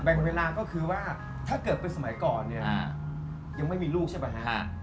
เวลาก็คือว่าถ้าเกิดเป็นสมัยก่อนเนี่ยยังไม่มีลูกใช่ป่ะฮะ